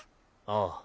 ああ。